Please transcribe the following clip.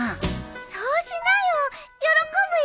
そうしなよ喜ぶよ。